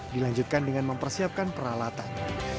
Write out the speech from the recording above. dilanjutkan dengan mempersiapkan peralatan